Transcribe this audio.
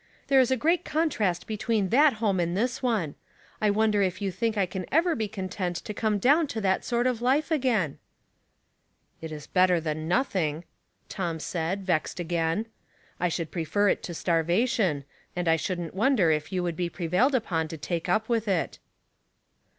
" There is a great contrast between that home and this one. I wonder if you think I can ever be content to come down to that sort of life again ?"" It is better than nothing," Tom said, vexed again. " I should prefer it to starvation, and I shouldn't wonder if you would be prevailed upon to take up with it."